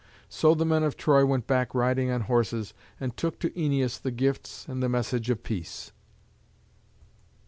So the men of Troy went back riding on horses, and took to Æneas the gifts and the message of peace.